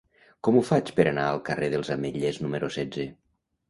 Com ho faig per anar al carrer dels Ametllers número setze?